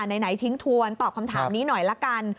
ไหนทิ้งทวนตอบคำถามนี้หน่อยละกัน